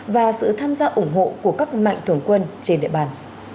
và sự tham gia ủng hộ của các mạnh thường quân trên địa bàn